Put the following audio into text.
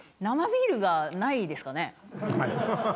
生ビールがないですかね？